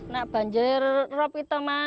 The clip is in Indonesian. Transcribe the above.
nah banjir rop itu